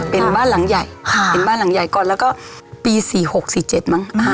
เป็นบ้านหลังใหญ่เป็นบ้านหลังใหญ่ก่อนแล้วก็ปี๔๖๔๗มั้ง